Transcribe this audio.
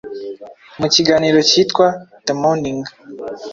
mu kiganiro cyitwa “The morning